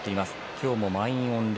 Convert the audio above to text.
今日も満員御礼。